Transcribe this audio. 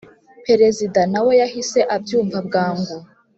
perezida na we yahise abyumva bwangu.